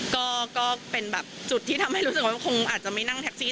ก็เป็นแบบจุดที่ทำให้รู้สึกว่าคงอาจจะไม่นั่งแท็กซี่